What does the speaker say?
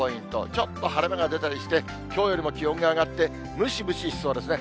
ちょっと晴れ間が出たりして、きょうよりも気温が上がって、ムシムシしそうですね。